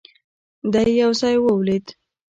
دی يو ځای ولوېد.